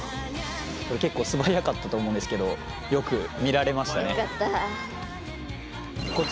これ結構素早かったと思うんですけどよく見られましたね。ホンマよ。よかった。